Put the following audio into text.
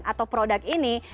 atau produk ini